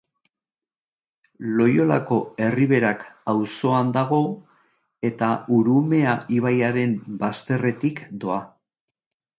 Loiolako Erriberak auzoan dago eta Urumea ibaiaren bazterretik doa.